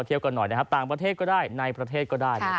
เที่ยวกันหน่อยนะครับต่างประเทศก็ได้ในประเทศก็ได้